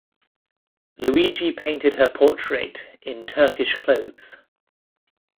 Luigi painted her portrait in Turkish clothes.